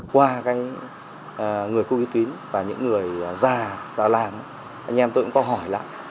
qua người cư ký tuyến và những người già làm anh em tôi cũng có hỏi lại